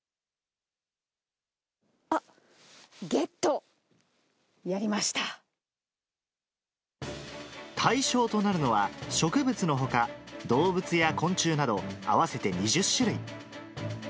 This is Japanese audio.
あっ、対象となるのは、植物のほか、動物や昆虫など、合わせて２０種類。